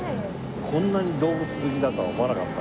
こんなに動物好きだとは思わなかったね。